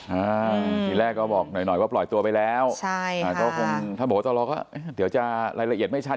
อ่าทีแรกก็บอกหน่อยหน่อยว่าปล่อยตัวไปแล้วใช่อ่าก็คงถ้าบอกว่าต้องรอก็เดี๋ยวจะรายละเอียดไม่ชัด